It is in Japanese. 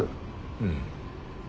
うん。